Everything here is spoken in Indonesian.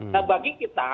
nah bagi kita